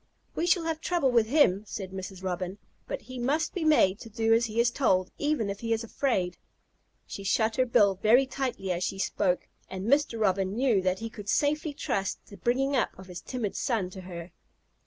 "We shall have trouble with him," said Mrs. Robin, "but he must be made to do as he is told, even if he is afraid." She shut her bill very tightly as she spoke, and Mr. Robin knew that he could safely trust the bringing up of his timid son to her.